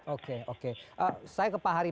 oke oke saya ke pak hari